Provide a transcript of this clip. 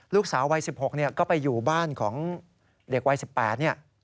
ลูกสาววัย๑๖ก็ไปอยู่บ้านของเด็กวัย๑๘เนี่ย